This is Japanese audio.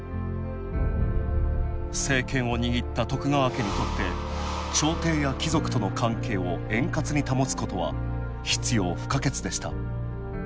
政権を握った徳川家にとって朝廷や貴族との関係を円滑に保つことは必要不可欠でした。